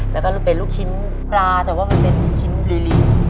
แล้วก็เป็นลูกชิ้นปลาแต่ว่ามันเป็นชิ้นลี